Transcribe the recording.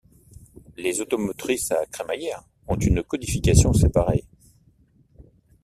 Les automotrices à crémaillère ont une codification séparée.